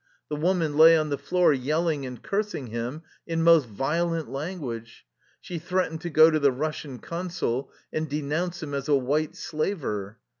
The woman lay on the floor yelling and cursing him in most violent language. She threatened to go to the Eussian Consul and denounce him as a " white slaver."